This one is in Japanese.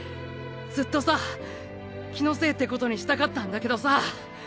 ずっとさ気のせいってことにしたかったんだけどさ